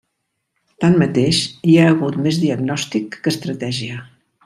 Tanmateix hi ha hagut més diagnòstic que estratègia.